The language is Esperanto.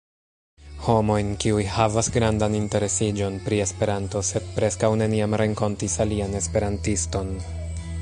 Homojn, kiuj havas grandan interesiĝon pri Esperanto, sed preskaŭ neniam renkontis alian esperantiston.